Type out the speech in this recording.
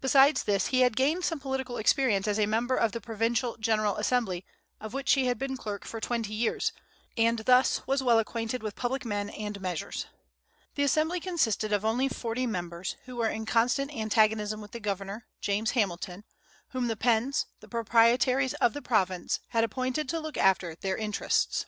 Besides this, he had gained some political experience as a member of the provincial General Assembly, of which he had been clerk for twenty years, and thus was well acquainted with public men and measures. The Assembly consisted of only forty members, who were in constant antagonism with the governor, James Hamilton, whom the Penns, the Proprietaries of the province, had appointed to look after their interests.